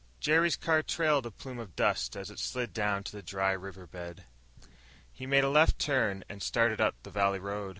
Jerry's car trailed a plume of dust as it slid down to the dry riverbed. He made a left turn and started up the valley road.